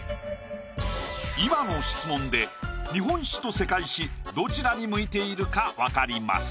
今の質問で日本史と世界史どちらに向いているか分かります